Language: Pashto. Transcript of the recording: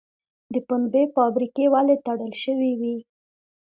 د پنبې فابریکې ولې تړل شوې وې؟